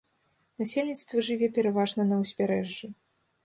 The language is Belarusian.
Насельніцтва жыве пераважна на ўзбярэжжы.